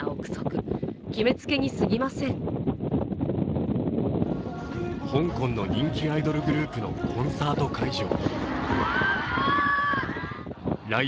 一方、旧統一教会は香港の人気アイドルグループのコンサート会場。